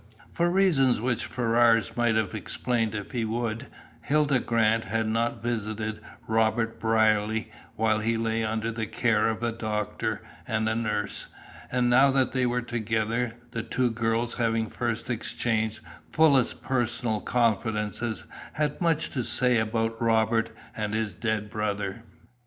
For reasons which Ferrars might have explained if he would, Hilda Grant had not visited Robert Brierly while he lay under the care of doctor and nurse, and now that they were together, the two girls, having first exchanged fullest personal confidences, had much to say about Robert and his dead brother.